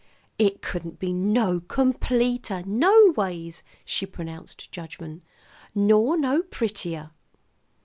"It couldn't be no completer, no ways," she pronounced judgment. "Nor no prettier."